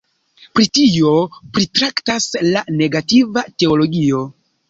Pri tio pritraktas la negativa teologio.